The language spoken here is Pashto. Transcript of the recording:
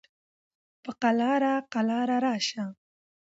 په قلاره قلاره راشه